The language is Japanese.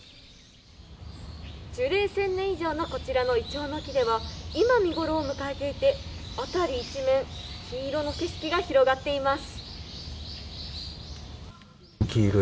樹齢１０００年以上のこちらのイチョウの木では今、見ごろを迎えていて辺り一面黄色の景色が広がっています。